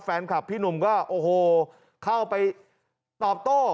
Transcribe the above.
แฟนคลับพี่หนุ่มก็โอ้โหเข้าไปตอบโต้